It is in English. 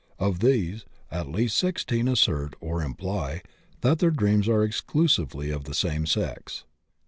Of these, at least 16 assert or imply that their dreams are exclusively of the same sex.